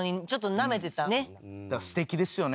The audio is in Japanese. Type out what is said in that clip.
すてきですよね。